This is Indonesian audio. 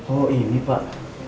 oh ini pak